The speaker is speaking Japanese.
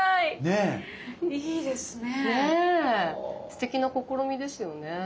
すてきな試みですよね。